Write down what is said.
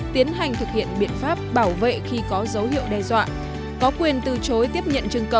tiến hành thực hiện biện pháp bảo vệ khi có dấu hiệu đe dọa có quyền từ chối tiếp nhận chưng cầu